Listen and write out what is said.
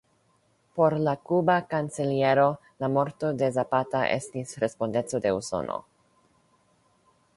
Por la kuba kanceliero, la morto de Zapata estis respondeco de Usono.